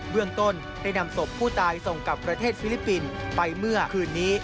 เรื่องต้นได้นำศพผู้ตายส่งกลับประเทศฟิลิปปินส์ไปเมื่อคืนนี้